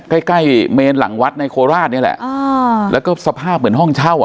ใกล้ใกล้เมนหลังวัดในโคราชนี่แหละอ่าแล้วก็สภาพเหมือนห้องเช่าอ่ะ